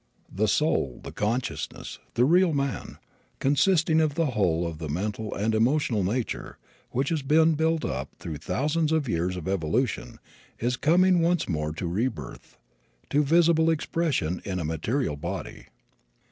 The soul, the consciousness, the real man, consisting of the whole of the mental and emotional nature, which has been built up through thousands of years of evolution, is coming once more to rebirth, to visible expression in a material body.